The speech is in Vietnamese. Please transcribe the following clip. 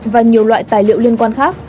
và nhiều loại tài liệu liên quan khác